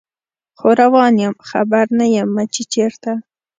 خو روان یم خبر نه یمه چې چیرته